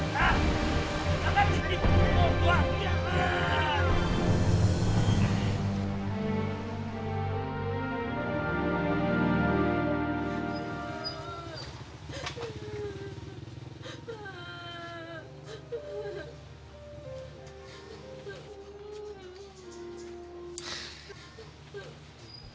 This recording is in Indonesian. kak kakak ini tolong tolong dia pak